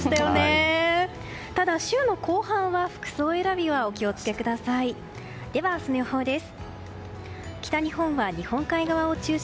ただ、週の後半は服装選びはお気を付けください。では明日の予報です。